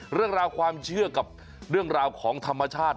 เรื่องราวความเชื่อกับเรื่องราวของธรรมชาติ